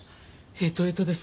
ヘトヘトです。